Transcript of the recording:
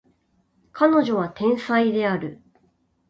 彼女は天才である